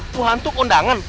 tuh hantu undangan